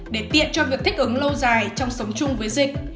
để tiện cho việc thích ứng lâu dài trong sống chung với dịch